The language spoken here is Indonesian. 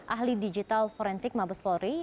ahli digital forensik mabes polri